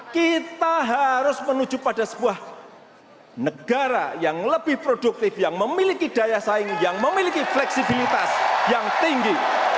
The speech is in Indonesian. kita harus menuju pada sebuah negara yang lebih produktif yang memiliki daya saing yang memiliki fleksibilitas yang tinggi